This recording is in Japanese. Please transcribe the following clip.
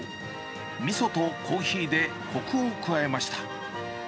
みそとコーヒーでこくを加えました。